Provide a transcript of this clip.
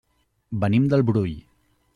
Venim del Brull.